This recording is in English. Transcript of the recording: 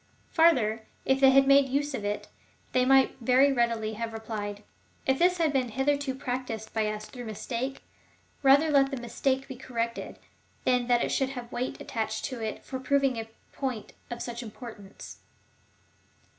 Farther, if they had made use of it, they might very readily have replied :" If this has been hitherto practised by us through mistake, rather let the mis take be corrected, than that it should have weight attached to it for proving a point of such importance.